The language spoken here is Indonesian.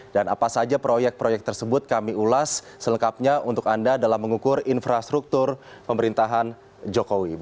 dan apa saja proyek proyek tersebut kami ulas selengkapnya untuk anda dalam mengukur infrastruktur pemerintahan jokowi